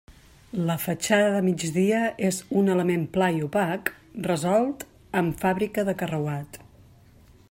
La fatxada de migdia és un element pla i opac, resolt amb fàbrica de carreuat.